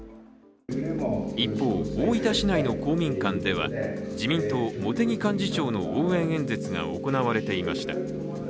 一方、大分市内の公民館では自民党・茂木幹事長の応援演説が行われていました。